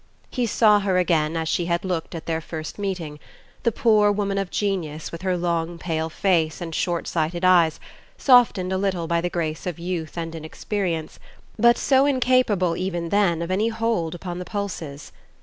He saw her again as she had looked at their first meeting, the poor woman of genius with her long pale face and short sighted eyes, softened a little by the grace of youth and inexperience, but so incapable even then of any hold upon the pulses.